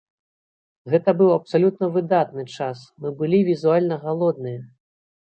Гэта быў абсалютна выдатны час, мы былі візуальна галодныя!